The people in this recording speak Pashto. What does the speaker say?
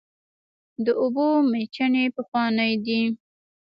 د اوبو میچنې پخوانۍ دي.